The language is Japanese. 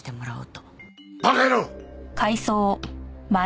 馬鹿野郎！